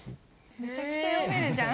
めちゃくちゃ読めるじゃん。